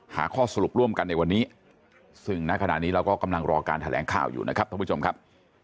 หาข้อสรุปร่วมกันในวันนี้ซึ่งณขณะนี้เราก็กำลังรอการแถลงข่าวอยู่นะครับท่านผู้ชมครับ